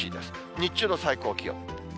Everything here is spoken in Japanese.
日中の最高気温。